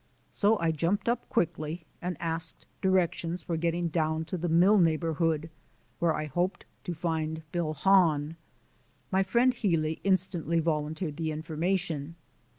So I jumped up quickly and asked directions for getting down to the mill neighbourhood, where I hoped to find Bill Hahn. My friend Healy instantly volunteered the information.